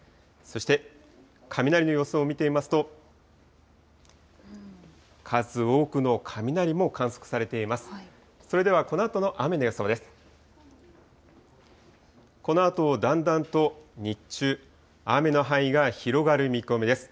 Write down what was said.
そして雷の様子を見てみますと、数多くの雷も観測されています。